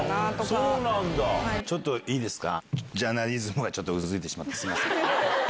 ちょっといいですか、ジャーナリズムがちょっとうずいてしまって、ちょっとすみません。